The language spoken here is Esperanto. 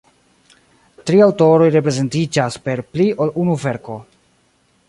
Tri aŭtoroj reprezentiĝas per pli ol unu verko.